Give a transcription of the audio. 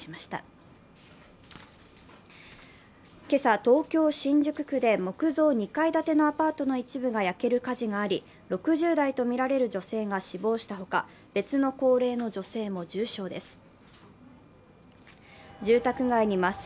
今朝、東京・新宿区で木造２階建てのアパートの一部が焼ける火事があり、６０代とみられる女性が死亡したほか別の高齢の女性も重傷です。